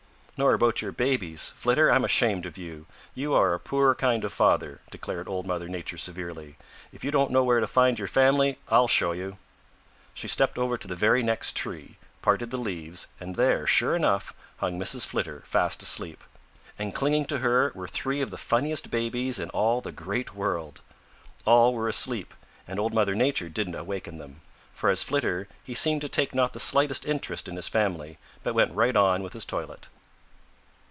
"Nor about your babies. Flitter, I'm ashamed of you. You are a poor kind of father," declared Old Mother Nature severely. "If you don't know where to find your family, I'll show you." She stepped over to the very next tree, parted the leaves, and there, sure enough, hung Mrs. Flitter fast asleep. And clinging to her were three of the funniest babies in all the Great World! All were asleep, and Old Mother Nature didn't awaken them. As for Flitter, he seemed to take not the slightest interest in his family, but went right on with his toilet.